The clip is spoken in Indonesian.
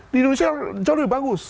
di indonesia jauh lebih bagus